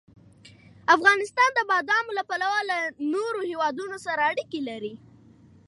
افغانستان د بادامو له پلوه له نورو هېوادونو سره اړیکې لري.